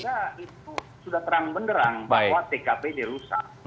sudah terang benderang bahwa pkp dirusak